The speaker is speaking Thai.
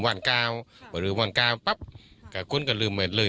หวานเกราหวัดหวังวันเกราปั๊บขาดคุณก็ลืมเหมือนเลย